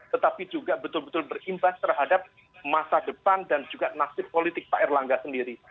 tetapi juga betul betul berimbas terhadap masa depan dan juga nasib politik pak erlangga sendiri